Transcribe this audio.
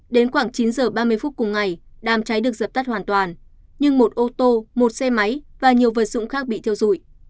đến khoảng chín h ba mươi phút cùng ngày đám cháy được dập tắt hoàn toàn nhưng một ô tô một xe máy và nhiều vật dụng khác bị theo dụi